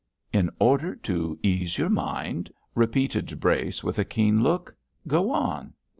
'In order to ease your mind!' repeated Brace, with a keen look. 'Go on.'